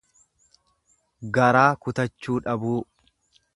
Garaa kutachuu dhabuu.